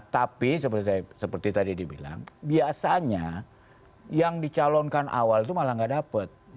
tapi seperti tadi dibilang biasanya yang dicalonkan awal itu malah nggak dapat